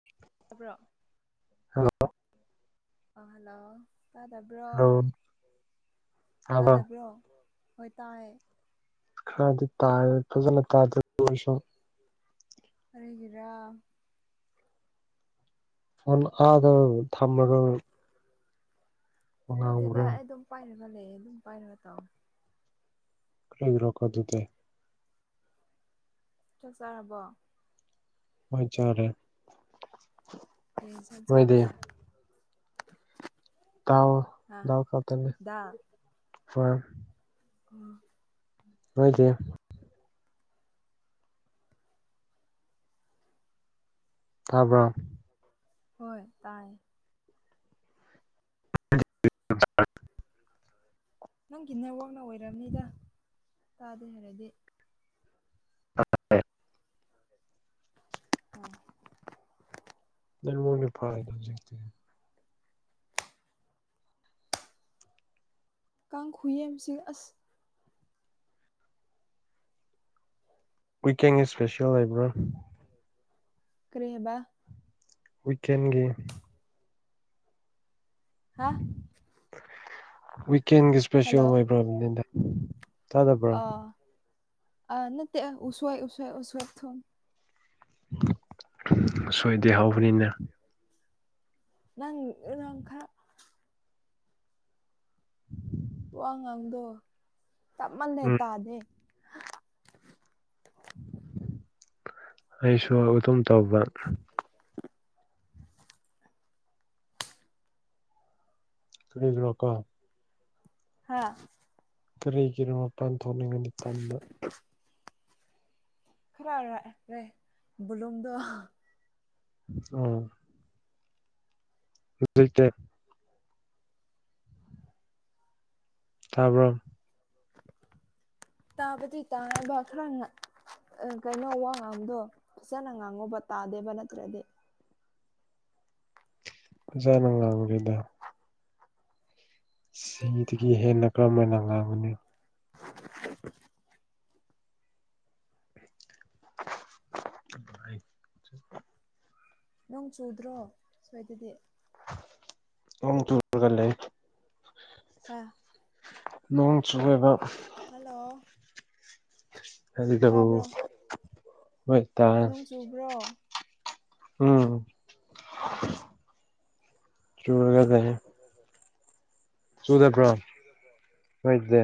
[inaudible] ꯇꯕ꯭ꯔꯣ [unintelligible] ꯑ ꯍꯜꯂꯣ ꯇꯥꯗꯕ꯭ꯔꯣ ꯍꯜꯂꯣ ꯇꯥꯕ꯭ꯔꯣ ꯇꯥꯗꯕ꯭ꯔꯣ ꯍꯣꯏ ꯇꯥꯏꯌꯦ ꯈꯗꯤ ꯇꯥꯔ ꯇ ꯆꯂ ꯇꯥꯖꯁꯣ ꯍꯥꯏꯔꯒꯔꯥ ꯑꯣꯟ ꯑ ꯊꯝꯕꯔ ꯅꯠꯇꯦꯗ ꯑꯩ ꯑꯗꯨꯝ ꯄꯥꯏꯔꯒ ꯂꯩꯌꯦ ꯑꯗꯨꯝ ꯄꯥꯏꯔꯒ ꯇꯧ ꯊꯦꯡꯗ꯭ꯔꯣꯀꫭ ꯗꯨꯗꯦ ꯆꯠꯆꯔꯕꯣ ꯍꯣꯏꯆꯥꯔꯦ ꯌꯦꯁ ꯆꯥꯕ꯭ꯔ ꯇ ꯇꯎ ꯀꯇꯅꯦ ꯗꯥꯜ ꯍ ꯎꯝ ꯅꯣꯏꯗꯤ ꯇꯥꯕ꯭ꯔꯣ ꯍꯣꯏ ꯇꯥꯏ ꯅꯪꯒꯤ ꯅꯋꯥꯛꯅ ꯑꯣꯏꯔꯕꯅꯤꯗ ꯇꯥꯗꯦ ꯍꯥꯏꯔꯗꯤ ꯑꯦ ꯑ ꯅꯪ ꯃꯅꯤ ꯐꯔꯅ ꯆꯛꯇ ꯀꯥꯡ ꯈꯨꯌꯦꯁꯤꯡ ꯑꯁ ꯋꯤꯛꯀꯦꯡꯒꯤ ꯏꯁꯄꯦꯁꯤꯌꯦꯜ ꯂꯩꯕ꯭ꯔꯥ ꯀ꯭ꯔꯤꯕꯥ ꯀꯦꯟꯒ ꯍꯥ ꯋꯤꯀꯦꯟꯒꯤ ꯏꯁꯄꯦꯁꯤꯜ ꯍꯜꯂꯣ ꯑꯣꯏꯕ꯭ꯔ ꯆꯥꯗꯕ꯭ꯔꯣ ꯑ ꯅ ꯎꯁꯋꯥꯏ ꯎꯁ ꯎꯁꯋꯥ ꯊ ꯁꯣꯏꯗꯦ ꯍꯧꯕꯅꯤꯅ ꯅꯪꯈꯥ [inaudible] ꯋꯥ ꯉꯥꯡꯗꯣ ꯇꯞꯃꯜꯂꯦ ꯎꯝ ꯇꯥꯗꯦ ꯑꯩꯁꯨ ꯑꯧ ꯑꯗꯨꯝ ꯇꯧꯕ [unintelligible] ꯍꯥꯥ ꯀꯔꯤꯒꯤꯔꯣ ꯃꯄꯥꯟ ꯊꯣꯛꯅꯤꯡꯉꯗꯤ ꯇꯟꯕ ꯈꯔ ꯔꯥꯛꯔꯦ ꯕꯨꯂꯨꯝꯗꯣ ꯎꯝ ꯂꯩꯇꯦ ꯇꯥꯕ꯭ꯔꯣ [inaudible] ꯇꯥꯕꯗꯤ ꯇꯥꯏꯑꯦꯕ ꯈꯔ ꯅꯛ ꯑ ꯀꯩꯅꯣ ꯋꯥꯉꯥꯡꯕꯗꯣ ꯐꯖꯅ ꯉꯥꯡꯉꯣꯕ ꯇꯥꯗꯦꯕ ꯅꯠꯇ꯭ꯔꯗꯤ ꯐꯖꯅ ꯉꯥꯡꯔꯤꯗ ꯁꯤꯗꯒꯤ ꯍꯦꯟꯅ ꯀꯔꯝ ꯍꯥꯏꯅ ꯉꯥꯡꯒꯨꯅꯤ [unintelligible] [unintelligible] ꯅꯣꯡ ꯆꯨꯗ꯭ꯔꯣ ꯁ꯭ꯋꯥꯏꯗꯗꯤ ꯎꯝ ꯇꯨꯔꯒ ꯂꯩ ꯍꯥ ꯅꯣꯡ ꯆꯨꯏꯌꯦꯕ ꯍꯜꯂꯣ ꯍꯜꯂꯣ ꯇꯥꯕ꯭ꯔꯣ ꯃꯣꯏꯇꯥꯏꯝ ꯅꯣꯡ ꯆꯨꯕ꯭ꯔꯣ ꯎꯝ ꯔꯨꯔꯗꯣꯏꯅꯤ ꯆꯨꯗꯕ꯭ꯔꯣ ꯅꯣꯏꯗꯤ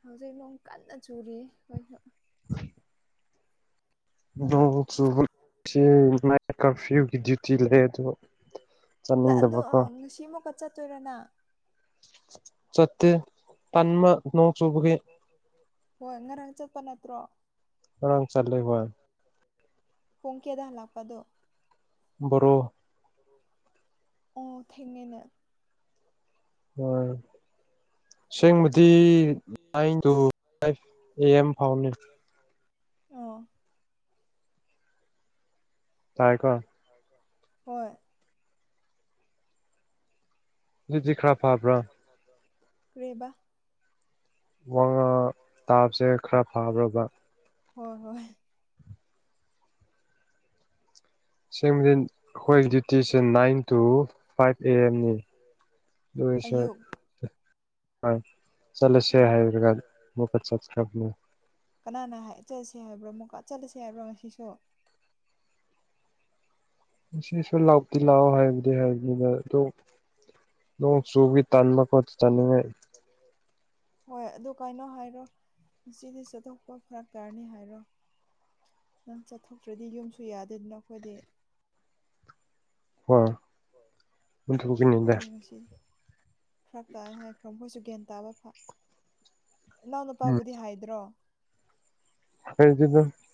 ꯍꯧꯖꯤꯛ ꯅꯣꯡ ꯀꯟꯅ ꯆꯨꯔꯤꯌꯦ ꯍꯣꯏ ꯍꯣꯏ [inaudible] ꯅꯣꯡ ꯆꯨꯕꯖꯤ ꯅꯥꯏꯠ ꯀꯔꯐ꯭ꯌꯨꯒꯤ ꯗ꯭ꯌꯨꯇꯤ ꯂꯩ ꯑꯗꯨ ꯆꯥꯅꯤꯡꯗꯕꯀꯣ ꯉꯁꯤꯃꯨꯛꯀ ꯆꯠꯇꯣꯏꯔ ꯅꯪ ꯆꯠꯇꯦ ꯇꯟꯕ ꯅꯣꯡ ꯆꯨꯕꯒꯤ ꯍꯣꯏ ꯉꯔꯥꯡ ꯆꯠꯄ ꯅꯠꯇ꯭ꯔꯣ ꯉꯔꯥꯡ ꯆꯠꯂꯦ ꯋꯥꯟ ꯄꯨꯡ ꯀꯌꯥꯗ ꯍꯜꯂꯛꯄꯗꯣ ꯕꯣꯔꯣ ꯑꯣ ꯊꯦꯡꯉꯦꯅꯦ ꯍꯣꯏ ꯑꯁꯦꯡꯕꯗꯤ nine two five A M ꯐꯥꯎꯅꯤꯗ ꯑꯣ ꯇꯥꯏꯀꯣ ꯍꯣꯏ ꯑꯗꯨꯗꯤ ꯈꯔꯥ ꯐꯥꯕ꯭ꯔꯥ ꯀ꯭ꯔꯤꯕ ꯋꯥꯉꯥꯡ ꯇꯥꯕꯁꯦ ꯈꯔ ꯐꯥꯕ꯭ꯔꯕ ꯍꯣꯏ ꯍꯣꯏ ꯁꯦꯝꯒꯤꯟ ꯑꯩꯈꯣꯏ ꯗ꯭ꯌꯨꯇꯤꯁꯦ ꯅꯥꯏꯟ ꯇꯨ ꯐꯥꯏꯚ ꯑꯦ ꯑꯦꯝꯅꯤ ꯑꯗꯨ ꯑꯣꯏꯁꯨ ꯑꯌꯨꯛ ꯍꯥꯏ ꯆꯠꯂꯁꯦ ꯑꯣ ꯍꯥꯏꯔꯒ ꯃꯨꯛꯀ ꯆꯠꯈ꯭ꯔꯕꯅꯦ ꯀꯅꯥꯅ ꯍꯥꯏ ꯆꯠꯂꯁꯦ ꯍꯥꯏꯕ꯭ꯔꯣ ꯑꯃꯨꯛꯀꯥ ꯆꯠꯂꯁꯦ ꯍꯥꯏꯕ꯭ꯔꯣ ꯉꯁꯤꯁꯨ ꯏꯁꯨ ꯂꯥꯎꯇꯤ ꯂꯥꯛꯑꯣ ꯍꯥꯏꯕꯗꯤ ꯍꯥꯏꯕꯅꯤꯅ ꯑꯗꯨ ꯅꯣꯡ ꯆꯨꯕꯒꯤ ꯇꯟꯕ ꯈꯣꯠ ꯆꯥꯅꯤꯡꯉꯥꯏ ꯍꯣꯏ ꯑꯗꯨ ꯀꯩꯅꯣ ꯍꯥꯏꯔꯣ ꯉꯁꯤꯗꯤ ꯆꯠꯊꯣꯛꯄ ꯐꯔꯛ ꯇꯥꯔꯅꯤ ꯍꯥꯏꯔꯣ ꯅꯪ ꯆꯠꯊꯣꯛꯇ꯭ꯔꯗꯤ ꯌꯨꯝꯁꯨ ꯌꯥꯗꯦꯗꯅ ꯑꯩꯈꯣꯏꯗꯤ ꯍꯣꯏ ꯑꯗꯨꯒꯤꯅꯤꯗ ꯑꯗꯨꯒꯤ ꯉꯁꯤꯗꯤ ꯐꯔꯥꯛ ꯇꯥꯏ ꯍꯥꯏꯈ꯭ꯔꯣ ꯃꯈꯣꯏꯁꯨ ꯒ꯭ꯌꯥꯟ ꯇꯥꯕ ꯐ ꯏꯅꯥꯎ ꯅꯨꯄꯥꯕꯨꯗꯤ ꯍꯥꯏꯗ꯭ꯔꯣ [unintelligible]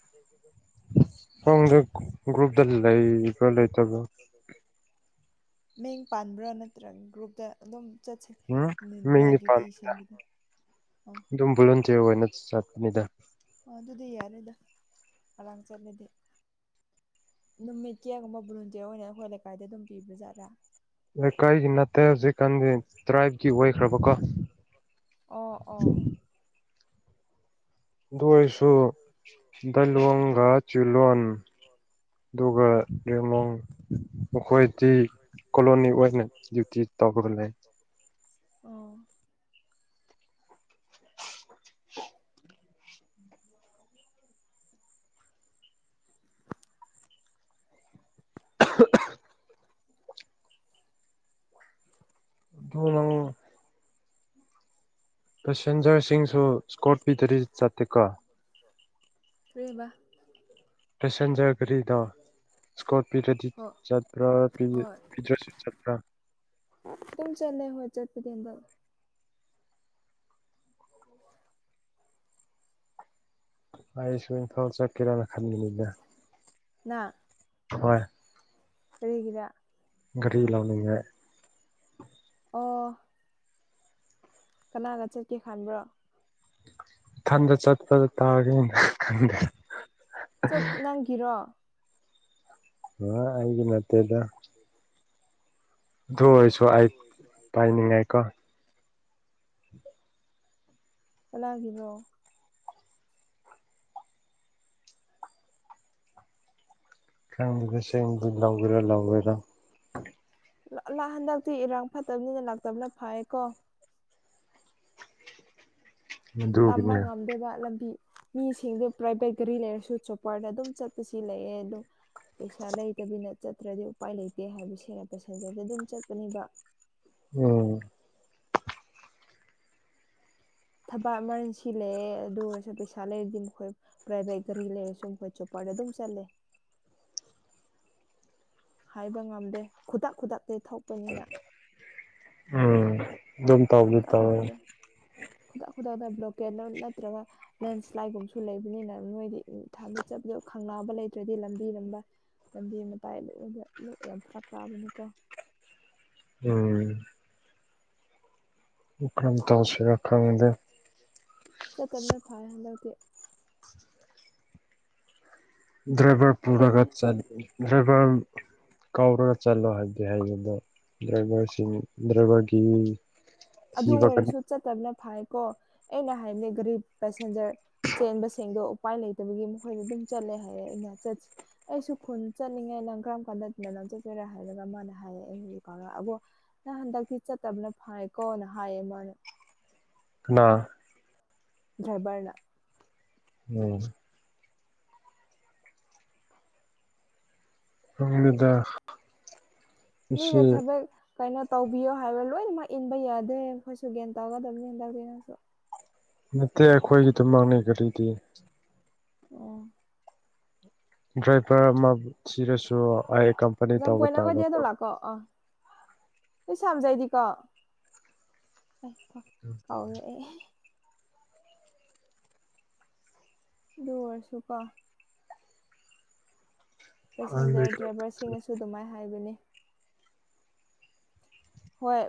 ꯈꯪꯗꯦ ꯒ꯭ꯔꯨꯞꯇ ꯂꯩꯕꯔ ꯂꯩꯇꯕꯔ ꯃꯤꯡ ꯄꯟꯕ꯭ꯔꯥ ꯅꯠꯇ꯭ꯔꯒ ꯒ꯭ꯔꯨꯞꯇ ꯑꯗꯨꯝ ꯆꯠꯁꯦ ꯎꯝ ꯃꯤ ꯅꯥꯏꯠ ꯅꯤꯄꯥꯟ ꯗ꯭ꯌꯨꯇꯤ ꯁꯤꯡꯒꯤꯗꯤ [unintelligible] [unintelligible] ꯑꯣꯏꯅ ꯆꯠꯄꯅꯤꯗ ꯑꯣ ꯑꯗꯨꯗꯤ ꯌꯥꯔꯦꯗ ꯉꯔꯥꯡ ꯆꯠꯂꯗꯤ ꯅꯨꯃꯤꯠ ꯀꯌꯥꯒꯨꯝꯕ ꯕꯣꯂꯟꯇꯤꯌꯔ ꯑꯣꯏꯅ ꯑꯩꯈꯣꯏ ꯂꯩꯀꯥꯏꯗ ꯑꯗꯨꯝ ꯄꯤꯕꯥꯖꯥꯠꯔꯥ ꯂꯩꯀꯥꯏꯒꯤ ꯅꯠꯇꯦ ꯍꯧꯖꯤꯛꯀꯥꯟꯗꯤ ꯇ꯭ꯔꯥꯏꯕꯀꯤ ꯑꯣꯏꯈ꯭ꯔꯕꯀꯣ ꯑꯣ ꯑꯣ ꯏꯁꯨ ꯗꯜꯋꯣꯡꯒ ꯖꯨꯂꯣꯟ ꯑꯗꯨꯒ ꯔꯤꯃꯣ ꯃꯈꯣꯏꯗꯤ ꯀꯣꯂꯣꯅꯤ ꯑꯣꯏꯅ ꯗ꯭ꯌꯨꯇꯤ ꯇꯧꯕꯒ ꯂꯩ ꯑꯣ [unintelligible] [unintelligible] ꯅꯪ ꯄꯦꯁꯦꯟꯖꯔꯁꯤꯡꯁꯨ ꯁꯀꯣꯔꯠ ꯄꯤꯗꯔꯤ ꯆꯠꯇꯦꯀꯣ ꯀꯔꯤꯕ ꯄꯦꯁꯦꯟꯖ꯭ꯔꯠ ꯀꯔꯤꯗꯣ ꯁꯀꯣꯠ ꯄꯤꯗꯔꯗꯤ ꯍꯣꯏ ꯆꯠꯄ꯭ꯔꯥ ꯄꯤ ꯄꯤꯗ꯭ꯔꯁꯨ ꯆꯠꯄ꯭ꯔꯥ ꯇꯨꯝ ꯆꯠꯂꯦ ꯍꯣꯏ ꯆꯠꯄꯗꯤ ꯍꯟꯗꯛ [unintelligible] ꯑꯩꯁꯨ ꯏꯝꯐꯥꯜ ꯆꯠꯀꯦꯔꯅ ꯈꯟꯕꯅꯤꯗ ꯅꯥ ꯍꯣꯏ ꯀꯔꯤꯒꯤꯔꯥ ꯒꯥꯔꯤ ꯂꯧꯅꯤꯡꯉꯥꯢ ꯑꯣ ꯀꯅꯥꯒ ꯆꯠꯀꯦ ꯈꯟꯕ꯭ꯔꯣ ꯏꯊꯟꯗ ꯆꯠꯄꯗ ꯇꯥꯒꯦꯅꯤ ꯈꯪꯗꯦ ꯆꯠ ꯅꯪꯒꯤꯔꯣ [unintelligible] ꯑꯩꯒꯤ ꯅꯠꯇꯦꯗ ꯑꯗꯨ ꯑꯣꯔꯁꯨ ꯑꯩ ꯄꯥꯏꯅꯤꯡꯉꯦ ꯀꯣ ꯀꯅꯥꯒꯤꯅꯣ ꯈꯪꯗꯦ ꯁꯦꯡꯗꯨ ꯂꯧꯒꯦꯔꯥ ꯂꯧꯂꯣꯏꯔꯥ ꯂꯥ ꯂ ꯍꯟꯗꯛꯇꯤ ꯏꯔꯥꯡ ꯐꯠꯇꯕꯅꯤꯅ ꯂꯥꯛꯇꯕꯅ ꯐꯌꯦ ꯀꯣ ꯇꯝꯕ ꯑꯗꯨꯒꯤꯅꯦ ꯉꯝꯗꯦꯕ ꯂꯝꯕꯤ ꯃꯤꯁꯤꯡꯗꯨ ꯄ꯭ꯔꯥꯏꯚꯦꯠ ꯒꯥꯔꯤ ꯂꯩꯔꯁꯨ ꯆꯣꯄ꯭ꯔꯗ ꯑꯗꯨꯝ ꯆꯠꯄꯁꯤ ꯂꯩꯑꯦ ꯑꯗꯨ ꯄꯩꯁꯥ ꯂꯩꯇꯕꯤꯅ ꯆꯠꯇ꯭ꯔꯗꯤ ꯎꯄꯥꯏ ꯂꯩꯇꯦ ꯍꯥꯏꯕꯁꯦ ꯄꯦꯁꯦꯟꯖꯔꯗ ꯑꯗꯨꯝ ꯆꯠꯄꯅꯤꯕ ꯎꯝ ꯊꯕꯛ ꯃꯥꯔꯔꯟꯁꯤ ꯂꯩꯌꯦ ꯑꯗꯨ ꯑꯣꯏꯔꯁꯨ ꯄꯩꯁꯥ ꯂꯩꯔꯗꯤ ꯃꯈꯣꯏ ꯄ꯭ꯔꯥꯏꯚꯦꯠ ꯒꯥꯔꯤ ꯂꯩꯔꯦ ꯁꯨꯝ [unintelligible] ꯆꯣꯄꯔꯗ ꯑꯗꯨꯝ ꯆꯠꯂꯦ ꯍꯥꯏꯕ ꯉꯝꯗꯦ ꯈꯨꯗꯥꯛ ꯈꯨꯗꯥꯛꯇꯩ ꯊꯣꯛꯄꯅꯤꯅ ꯎꯝ ꯗꯨꯝ ꯈꯨꯗꯥꯛ ꯈꯨꯗꯥꯛꯗ ꯈꯨꯗꯥꯛ ꯈꯨꯗꯥꯛꯗ ꯕ꯭ꯂꯣꯀꯦꯠ ꯂꯣ ꯅꯠꯇ꯭ꯔꯒ ꯂꯦꯟꯁ꯭ꯂꯥꯏꯠꯒꯨꯝꯕꯁꯨ ꯂꯩꯕꯅꯤꯅ ꯅꯣꯏꯗꯤ ꯊꯥꯞꯅ ꯆꯠꯄꯗꯣ ꯈꯪꯅꯥꯕ ꯂꯩꯇ꯭ꯔꯗꯤ ꯂꯝꯕꯤꯔꯝꯕ ꯂꯝꯕꯤ ꯃꯇꯥꯏ ꯂꯣꯛꯗ ꯂꯣꯛ ꯌꯥꯝ ꯐꯔꯥꯛ ꯇꯥꯕꯅꯦꯀꯣ ꯎꯝ ꯎꯈ꯭ꯔꯝ ꯇꯧꯁꯤꯔ ꯈꯪꯗꯦ ꯆꯠꯇꯕꯅ ꯐꯥꯏꯌꯦ ꯍꯟꯗꯛꯇꯤ ꯗ꯭ꯔꯥꯏꯚꯔ ꯑꯩ ꯄꯨꯔꯒ ꯆꯠ ꯗ꯭ꯔꯥꯏꯚꯔ ꯀꯥꯎꯔꯒ ꯆꯠꯂꯣ ꯍꯥꯏꯕꯗꯤ ꯍꯥꯏꯌꯦꯗꯣ ꯗ꯭ꯔꯥꯏꯚꯔꯁꯤꯡ ꯗ꯭ꯔꯥꯏꯚꯔꯒꯤꯃꯤ ꯑꯗꯨ ꯑꯣꯏꯔꯁꯨ ꯆꯠꯇꯕꯅ ꯐꯥꯏꯌꯦ ꯀꯣ ꯑꯩꯅ ꯍꯥꯏꯕꯅꯦ ꯒꯥꯔꯤ ꯄꯦꯁꯦꯟꯖꯔ ꯆꯦꯟꯕ ꯁꯦꯡꯗꯣ ꯎꯄꯥꯏ ꯂꯩꯇꯕꯒꯤ ꯃꯈꯣꯏꯅ ꯑꯗꯨꯝ ꯆꯠꯂꯦ ꯍꯥꯏꯌꯦ ꯑꯩꯅ ꯆꯠ ꯑꯩꯁꯨ ꯈꯨꯟ ꯆꯠꯅꯤꯡꯉꯦꯅ ꯅꯪ ꯀꯔꯝ ꯀꯥꯟꯗ ꯃꯦꯂꯣꯝ ꯆꯠꯇꯣꯏꯔꯥ ꯍꯥꯏꯔꯒ ꯃꯥꯅ ꯍꯥꯏꯌꯦ ꯑꯩ [unintelligible] ꯀꯥꯔꯛꯑꯕꯣ ꯅꯪ ꯍꯟꯗꯛꯇꯤ ꯆꯠꯇꯕꯅ ꯐꯥꯏꯌꯦ ꯀꯣꯅ ꯍꯥꯏꯌꯦ ꯃꯥꯅ ꯀꯅꯥ ꯗ꯭ꯔꯥꯏꯕꯔꯅ ꯎꯝ [unintelligible] ꯃꯁꯤ ꯃꯤꯅ ꯊꯕꯛ ꯀꯩꯅꯣ ꯇꯧꯕꯤꯌꯣ ꯍꯥꯏꯕ ꯂꯣꯏꯅꯃꯛ ꯏꯟꯕ ꯌꯥꯗꯦ ꯑꯩꯈꯣꯏꯁꯨ ꯒ꯭ꯌꯥꯟ ꯇꯧꯒꯗꯕꯅꯤꯗ [unintelligible] ꯁꯨ ꯅꯠꯇꯦ ꯑꯩꯈꯣꯏꯒꯤ ꯗꯨꯃꯛꯅꯦ ꯒꯔꯤꯗꯤ ꯑꯣ ꯗ꯭ꯔꯥꯏꯚꯔ ꯑꯃ ꯊꯤꯔꯁꯨ ꯑꯥꯏ ꯑꯦꯀꯝꯄꯅꯤ ꯇꯧꯕ ꯇꯥꯕꯀꯣ ꯀꯣ ꯑꯣ [unintelligible] ꯑꯩ ꯐꯣ ꯀꯥꯎꯔꯦ ꯑꯩ ꯑꯗꯨ ꯑꯣꯏꯔꯁꯨꯀꯣ ꯄꯦꯁꯦꯟꯖꯔ ꯗ꯭ꯔꯥꯏꯚꯔꯁꯤꯡꯅꯁꯨ ꯑꯗꯨꯃꯥꯏꯅ ꯍꯥꯏꯕꯅꯤ ꯍꯣꯏ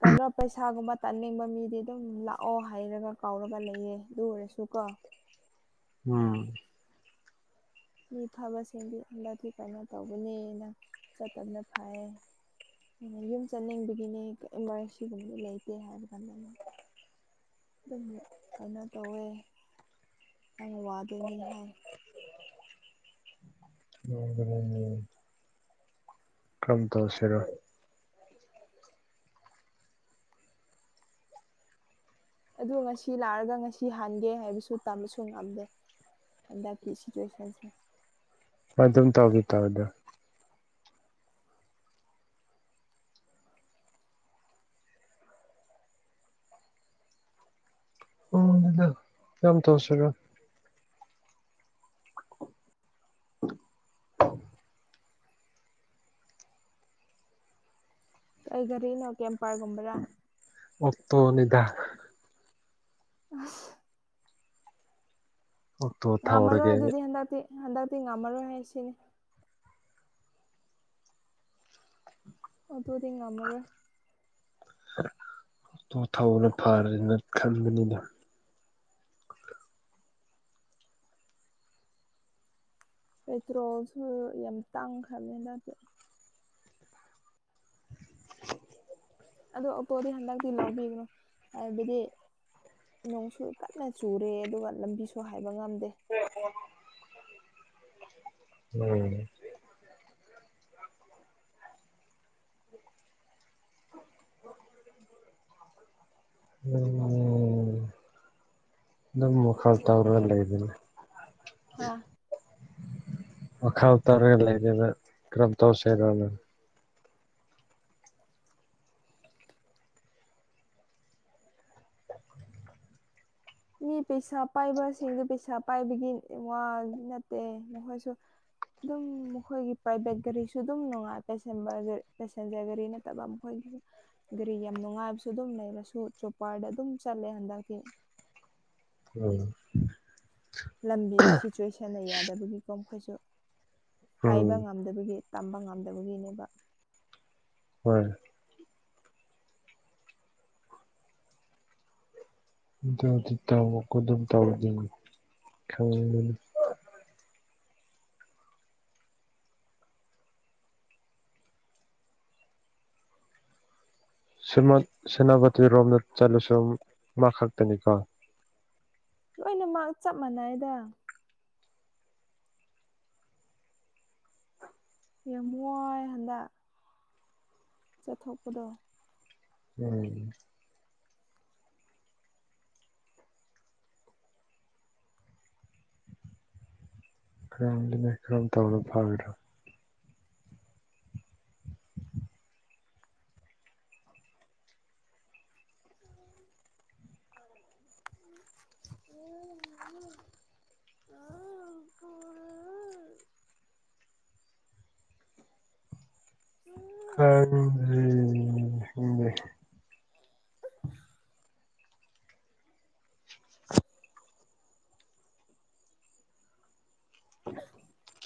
ꯀꯩꯅꯣ ꯄꯩꯁꯥꯒꯨꯝꯕ ꯇꯥꯅꯤꯡꯕ ꯃꯤꯗꯤ ꯑꯗꯨꯝ ꯂꯥꯛꯑꯣ ꯍꯥꯏꯔꯒ ꯀꯥꯎꯔꯒ ꯂꯩꯌꯦ ꯑꯗꯨ ꯑꯣꯏꯔꯁꯨ ꯀꯣ ꯎꯝ ꯃꯤ ꯐꯕꯁꯤꯡꯗꯤ [unintelligible] ꯀꯩꯅꯣ ꯇꯧꯕꯅꯦꯅ ꯆꯠꯇꯕꯅ ꯐꯩ ꯑꯩꯅ ꯌꯨꯝ ꯆꯠꯅꯤꯡꯕꯒꯤꯅꯦ ꯏꯃꯥꯔꯖꯦꯟꯁꯤꯒꯨꯝꯕꯗꯤ ꯂꯩꯇꯦ ꯍꯥꯏꯕ ꯀꯥꯟꯗ ꯑꯃ ꯑꯗꯨꯝ ꯀꯩꯅꯣ ꯇꯧꯋꯦ ꯅꯪ ꯋꯥꯗꯣꯏꯅꯤ ꯍꯥꯏ [unintelligible] ꯀꯔꯝ ꯇꯧꯁꯤꯔ ꯑꯗꯨ ꯉꯁꯤ ꯂꯥꯛꯑꯒ ꯉꯁꯤ ꯍꯥꯟꯒꯦ ꯍꯥꯏꯕꯁꯨ ꯇꯝꯕꯁꯨ ꯉꯝꯗꯦ ꯍꯟꯗꯛꯀꯤ ꯁꯤꯆꯨꯋꯦꯁꯟꯁꯦ ꯍꯣꯏ ꯑꯗꯨꯝ ꯇꯧꯗꯤ ꯇꯕꯗ ꯎꯗꯨ ꯀꯝ ꯇꯧꯁꯤꯔ [unintelligible] [inaudible] ꯀꯩ ꯒꯥꯔꯤꯅꯣ ꯀꯦꯝꯄꯔꯒꯨꯝꯕꯔꯥ ꯑꯣꯛꯇꯣꯅꯤꯗꯥꯥ ꯑꯁ ꯑꯣꯛꯇꯣ ꯉꯥꯝꯃꯔꯣꯏ ꯊꯧꯔꯒꯦ ꯑꯗꯨꯗꯤ ꯍꯟꯗꯛꯇꯤ ꯍꯟꯗꯛꯇꯤ ꯉꯝꯃꯔꯣꯏ ꯍꯥꯏ ꯁꯤꯅꯤ ꯑꯗꯨꯗꯤ ꯉꯃꯔꯣꯏ ꯑꯣꯇꯣ ꯊꯧꯕꯅ ꯐꯔꯦꯅ ꯈꯟꯕꯅꯤꯅ ꯄꯦꯇ꯭ꯔꯣꯜꯁꯨ ꯌꯥꯝ ꯇꯥꯡꯈ꯭ꯔꯕꯅꯤ ꯍꯟꯗꯛꯇꯤ ꯑꯗꯣ ꯑꯣꯛꯇꯣꯗꯤ ꯍꯟꯗꯛꯇꯤ ꯂꯧꯕꯤꯒꯅꯨ ꯍꯥꯏꯕꯗꯤ ꯅꯣꯡꯁꯨ ꯀꯟꯅ ꯆꯨꯔꯦ ꯑꯗꯨꯒ ꯂꯝꯕꯤꯁꯨ ꯍꯥꯏꯕ ꯉꯝꯗꯦ [unintelligible] ꯎꯝ [unintelligible] ꯅꯝꯃꯣ [unintelligible] ꯇꯧꯔ ꯂꯩꯕꯅꯤ ꯍꯥꯥ ꯋꯈꯥꯎ ꯇꯥꯔ ꯂꯩ [unintelligible] ꯀꯔꯝ ꯇꯧꯁꯦꯔꯥꯅ ꯃꯤ ꯄꯩꯁꯥ ꯄꯥꯏꯕꯁꯤꯡꯗꯨ ꯄꯩꯁꯥ ꯄꯥꯏꯕꯒꯤ ꯋꯥ ꯅꯠꯇꯦ ꯃꯈꯣꯏꯁꯨ ꯗꯨꯝ ꯃꯈꯣꯏꯒꯤ ꯄ꯭ꯔꯥꯏꯚꯦꯠ ꯒꯔꯤꯁꯨ ꯗꯨꯝ ꯅꯨꯡꯉꯥꯏ ꯄꯁꯦꯟꯕꯔꯗ ꯄꯦꯁꯦꯟꯖꯔ ꯒꯥꯔꯤ ꯅ ꯇꯕꯝ ꯈꯣꯏꯒꯤ ꯒꯔꯤ ꯌꯥꯝ ꯅꯨꯡꯉꯥꯏꯕꯁꯨ ꯗꯨꯝ ꯂꯩꯔꯁꯨ ꯆꯣꯞꯄꯔꯗ ꯑꯗꯨꯝ ꯆꯠꯂꯦ ꯍꯟꯗꯛꯇꯤ ꯎꯝ ꯂꯝꯕꯤ ꯁꯤꯆꯨꯋꯦꯁꯟꯅ ꯌꯥꯗꯕꯒꯤꯀꯣ ꯃꯈꯣꯏꯁꯨ ꯎꯝ ꯍꯥꯏꯕ ꯉꯝ ꯎꯝꯗꯕꯒꯤ ꯇꯝꯕ ꯉꯝꯗꯕꯒꯤꯅꯦꯕ ꯍꯣꯏ ꯗꯨꯗꯤ ꯇꯧꯕ ꯀꯨꯗꯤꯡ [unintelligible] ꯥꯁꯤꯃꯟ ꯁꯦꯅꯥꯕꯇꯤ ꯔꯣꯝꯗ ꯆꯠꯂꯁꯨ ꯃꯥ ꯈꯛꯇꯅꯤ [unintelligible] ꯂꯣꯏꯅꯃꯛ ꯆꯞ ꯃꯥꯟꯅꯩꯌꯦꯗ ꯌꯝꯋꯥꯏ ꯍꯟꯗꯛ ꯆꯠꯊꯣꯛꯄꯗꯣ ꯎꯝ [unintelligible] [inaudible] [unintelligible] [inaudible] ꯀꯅꯤꯡꯗ꯭ꯔꯤ [unintelligible] [inaudible] [inaudible]